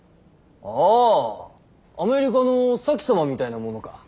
おぉアメリカの前様みたいなものか！